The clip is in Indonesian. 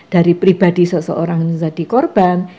dari pribadi seseorang menjadi korban